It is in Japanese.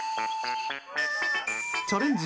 チャレンジ